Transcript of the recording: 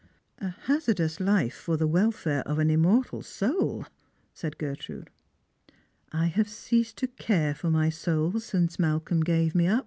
" A hazardous life for the welfare of an immortal soul," said Gertrude, "I have ceased to care for mj soul since Malcolm gave me up.